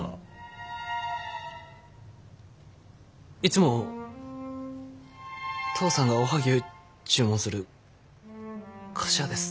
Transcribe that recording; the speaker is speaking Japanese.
いつも父さんがおはぎゅう注文する菓子屋です。